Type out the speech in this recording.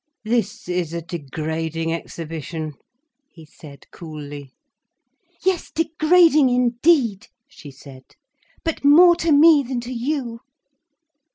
"This is a degrading exhibition," he said coolly. "Yes, degrading indeed," she said. "But more to me than to you."